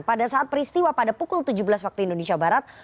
pada saat peristiwa pada pukul tujuh belas waktu indonesia barat